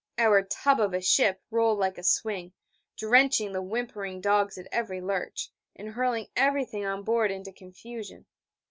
Our tub of a ship rolled like a swing, drenching the whimpering dogs at every lurch, and hurling everything on board into confusion.